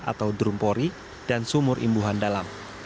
atau drumpori dan sumur imbuhan dalam